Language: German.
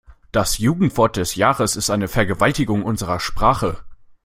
Das Jugendwort des Jahres ist eine Vergewaltigung unserer Sprache.